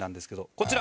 こちら。